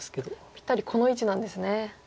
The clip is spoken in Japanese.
ぴったりこの位置なんですね。